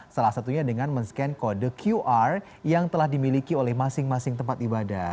salah satunya dengan men scan kode qr yang telah dimiliki oleh masing masing tempat ibadah